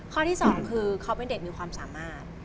ข้อที่สองคือเขาเป็นเด็กมีความสามารถ